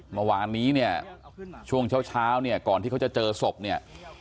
เมื่อวานนี้เนี่ยช่วงเช้าเนี่ยก่อนที่เขาจะเจอศพเนี่ย